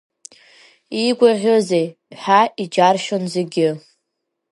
Иигәаӷьызеи ҳәа иџьаршьон зегьы.